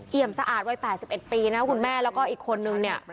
เอี่ยมสะอาดวัย๘๑ปีนะคุณแม่แล้วก็อีกคนนึงเนี่ย